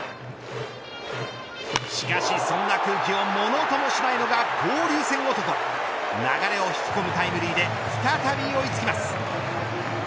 しかしそんな空気をものともしないのが交流戦男流れを引き込むタイムリーで再び追いつきます。